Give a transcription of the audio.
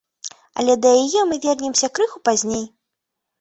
Але да яе мы вернемся крыху пазней.